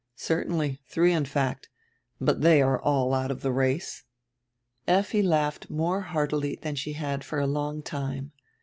"Certainly. Three, in fact But they are all out of the race." Efti laughed more heartily than she had for a long time.